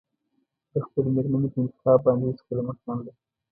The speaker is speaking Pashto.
د خپلې مېرمنې په انتخاب باندې هېڅکله مه خانده.